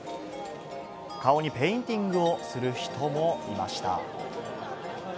顔にペインティングをする人もいました。